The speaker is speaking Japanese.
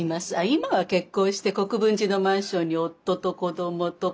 今は結婚して国分寺のマンションに夫と子どもと。